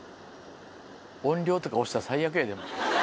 音量とか押したら最悪やで。